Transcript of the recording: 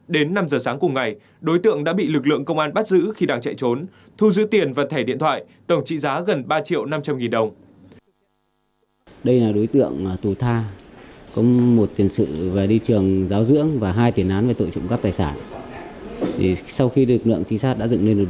đến năm giờ sáng cùng ngày đối tượng đã bị lực lượng công an bắt giữ khi đang chạy trốn